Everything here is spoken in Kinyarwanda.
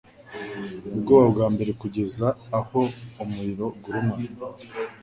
ubwoba bwa mbere kugeza aho umuriro ugurumana